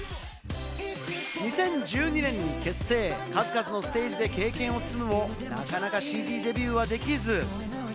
２０１２年結成、数々のステージで経験を積むも、なかなかＣＤデビューはできず。